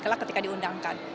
kelak ketika diundangkan